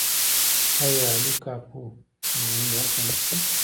آیا عالي قاپو ماڼۍ هلته نشته؟